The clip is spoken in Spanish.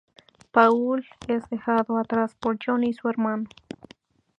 Paul es dejado atrás por Joni y su hermano.